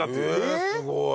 えすごい！